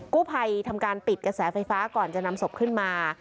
กู้ภัยทำการปิดกระแสไฟฟ้าก่อนจะนำศพขึ้นมา